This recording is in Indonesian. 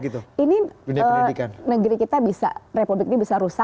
ini negeri kita bisa republik ini bisa rusak